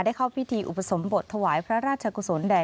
เข้าพิธีอุปสมบทถวายพระราชกุศลแด่